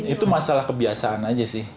itu masalah kebiasaan aja sih